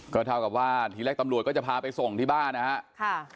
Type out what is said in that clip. ก็เท่ากับว่าทีแรกตำรวจก็จะพาไปส่งที่บ้านนะครับ